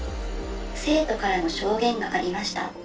生徒からの証言がありました。